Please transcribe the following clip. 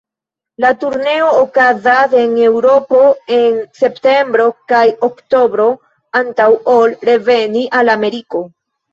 La turneo okazas en Eŭropo en septembro kaj oktobro, antaŭ ol reveni al Ameriko.